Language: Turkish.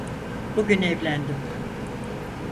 Bugün evlendim.